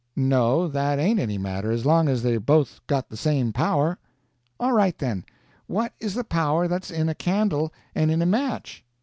"No, that ain't any matter, as long as they've both got the same power." "All right, then. What is the power that's in a candle and in a match?"